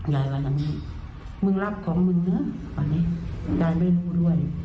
ยายวันละแม่มึงรับของมึงนะตอนนี้ยายไม่รู้ด้วย